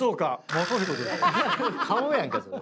顔やんけそれ。